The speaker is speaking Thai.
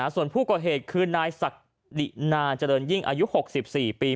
ส่วนผู้ก่อเหตุคือนายศักดินานเจริญยิ่งอายุ๖๔ปี